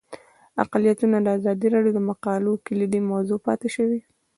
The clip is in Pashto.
اقلیتونه د ازادي راډیو د مقالو کلیدي موضوع پاتې شوی.